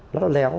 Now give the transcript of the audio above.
rất là léo